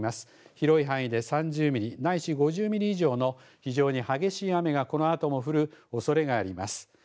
広い範囲で３０ミリ、ないし５０ミリ以上の非常に激しい雨がこのあとも降るおそれがあります。